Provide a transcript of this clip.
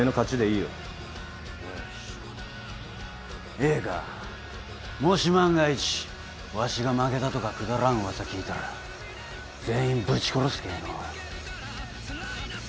ええかもし万が一わしが負けたとかくだらん噂聞いたら全員ぶち殺すけえのう。